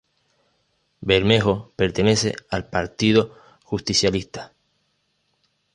Bermejo pertenece al Partido Justicialista.